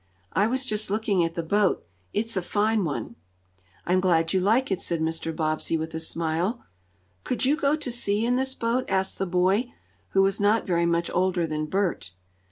"I was just looking at the boat. It's a fine one!" "I'm glad you like it," said Mr. Bobbsey with a smile. "Could you go to sea in this boat?" asked the boy, who was not very much older than Bert.